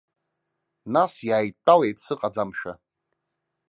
Нас иааидтәалеит сыҟаӡамшәа.